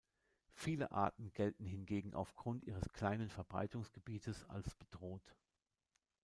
Viele Arten gelten hingegen aufgrund ihres kleinen Verbreitungsgebietes als bedroht.